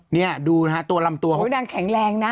นี่ดูนะฮะตัวลำตัวของเขานางแข็งแรงนะ